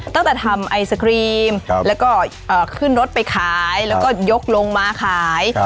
ตั้งแต่ทำไอศครีมแล้วก็ขึ้นรถไปขายแล้วก็ยกลงมาขาย